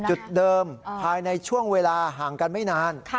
จุดเดิมภายในช่วงเวลาห่างกันไม่นาน